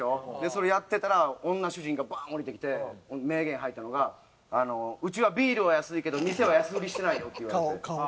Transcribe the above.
それやってたら女主人がバーン下りてきて名言吐いたのが「うちはビールは安いけど店は安売りしてないよ」って言われて。